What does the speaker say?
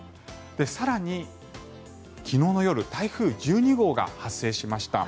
更に、昨日の夜台風１２号が発生しました。